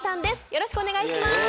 よろしくお願いします。